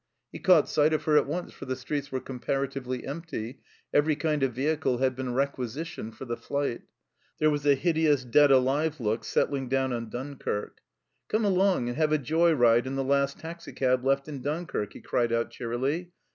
He caught sight of her at once, for the streets were comparatively empty ; every kind of vehicle had been requisitioned for the flight. There was a hideous, dead alive look settling down on Dunkirk. " Come along and have a joy ride in the last taxi cab left in Dunkirk," he cried out cheerily.